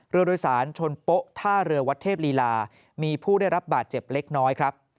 เรือโดยสารชนโป๊ะท่าเรือวัดเทพลีลามีผู้ได้รับบาดเจ็บเล็กน้อยครับ